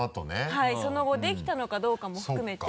はいその後できたのかどうかも含めて。